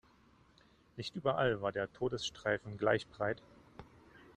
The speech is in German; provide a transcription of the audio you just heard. Nicht überall war der Todesstreifen gleich breit.